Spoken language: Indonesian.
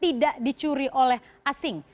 tidak dicuri oleh asing